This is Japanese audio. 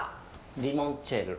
リモンチェッロ。